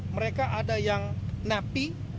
mereka ada yang napi